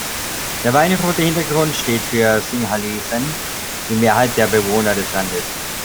Der weinrote Hintergrund steht für Singhalesen, die Mehrheit der Bewohner des Landes.